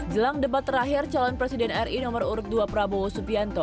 jelang debat terakhir calon presiden ri nomor urut dua prabowo subianto